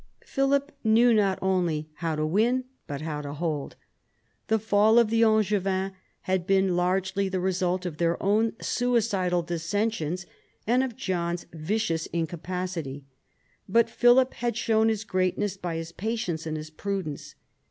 Philip knew not only how to win but how to hold. The fall of the Angevins had been largely the result of their own suicidal dissensions and of John's vicious incapacity. But Philip had shown his greatness by his patience and his prudence.